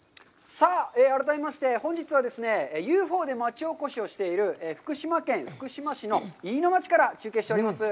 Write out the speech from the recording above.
さあ、改めまして、本日はですね、ＵＦＯで町おこしをしている福島県福島市の飯野町から中継しております。